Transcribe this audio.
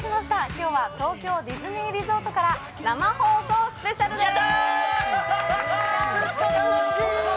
今日は東京ディズニーリゾートから生放送スペシャルです。